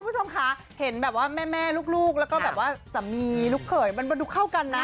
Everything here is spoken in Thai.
คุณผู้ชมค่ะเห็นแบบว่าแม่ลูกแล้วก็แบบว่าสามีลูกเขยมันดูเข้ากันนะ